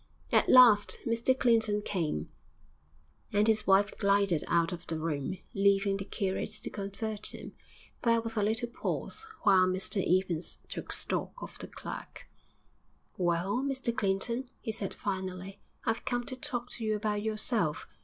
At last Mr Clinton came, and his wife glided out of the room, leaving the curate to convert him. There was a little pause while Mr Evans took stock of the clerk. 'Well, Mr Clinton,' he said finally, 'I've come to talk to you about yourself....